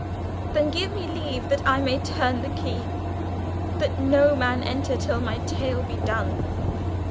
"Then give me leave that I may turn the key, That no man enter till my tale be done."